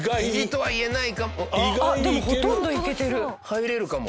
入れるかも。